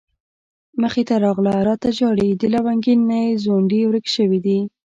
مخې ته راغله راته ژاړي د لونګين نه يې ځونډي ورک شوي دينه